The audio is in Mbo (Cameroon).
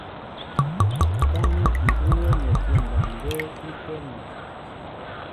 Tâm ígi ú wónɛkí mbaŋgə́ə́ í kwɛ́nī.